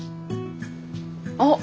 あっ。